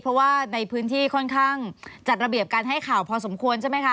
เพราะว่าในพื้นที่ค่อนข้างจัดระเบียบการให้ข่าวพอสมควรใช่ไหมคะ